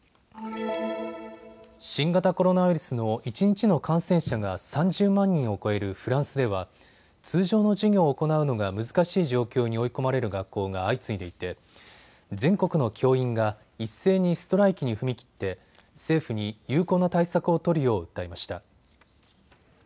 新型コロナウイルスの一日の感染者が３０万人を超えるフランスでは通常の授業を行うのが難しい状況に追い込まれる学校が相次いでいて全国の教員が一斉にストライキに踏み切って政府に有効な対策を取るよう訴えました。